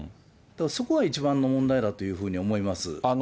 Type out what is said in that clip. そこが一番の問題だというふうに思います。